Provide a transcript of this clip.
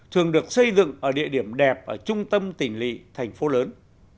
thường được xây dựng ở địa điểm đẹp ở trung tâm tỉnh lị thành phố lớn